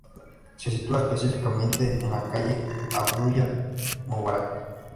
Se sitúa específicamente en la calle Abdullah Mubarak.